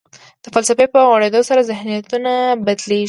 د فلسفې په غوړېدو سره ذهنیتونه بدلېږي.